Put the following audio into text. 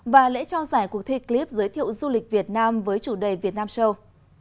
và lễ trao giải cuộc thi clip giới thiệu du lịch việt nam với chủ đề việt nam show